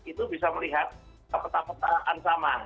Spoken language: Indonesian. itu bisa melihat keputusan ansaman